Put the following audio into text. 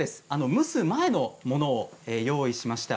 蒸す前のものを用意しました。